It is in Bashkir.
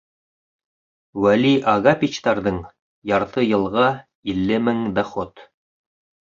Вәли Агапичтарҙың ярты йылға илле мең доход.